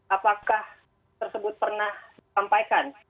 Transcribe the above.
apakah tersebut pernah disampaikan